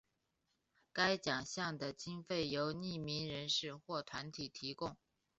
该奖项的经费由匿名人士或团体提供。